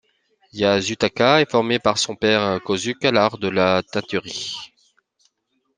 Yasutaka est formé par son père Kosuke à l'art de la teinturerie.